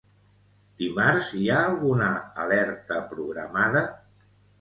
Dimarts hi ha alguna alerta programada?